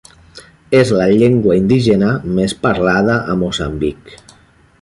És la llengua indígena més parlada a Moçambic.